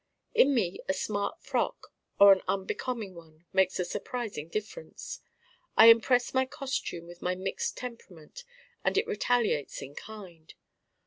In me a smart frock or an unbecoming one makes a surprising difference. I impress my costume with my mixed temperament and it retaliates in kind.